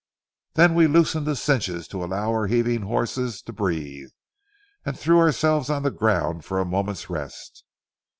Then we loosened cinches to allow our heaving horses to breathe, and threw ourselves on the ground for a moment's rest.